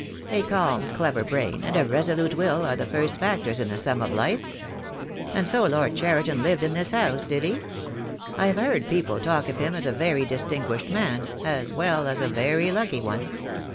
A calm, clever brain and a resolute will are the first factors in the sum of life. And so Lord Cheriton lived in this THE DAY WILL COME. 47 house, did he? I have heard people talk of him as a very distinguished man, as well as a very lucky one.